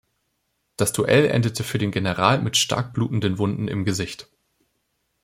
Das Duell endete für den General mit stark blutenden Wunden im Gesicht.